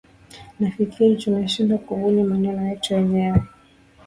nafikiri tunashindwa kubuni maneno yetu wenyewe